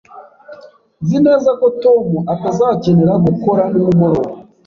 Nzi neza ko Tom atazakenera gukora nimugoroba